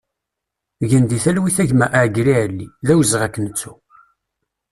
Gen di talwit a gma Agri Ali, d awezɣi ad k-nettu!